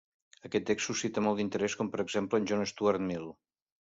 Aquest text suscita molt d'interès, com per exemple en John Stuart Mill.